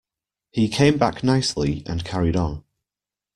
He came back nicely and carried on.